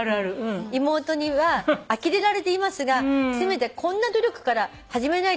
妹にはあきれられていますがせめてこんな努力から始めないと気が進みません」と。